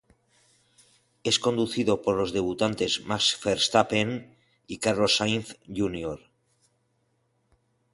Es conducido por los debutantes Max Verstappen y Carlos Sainz Jr.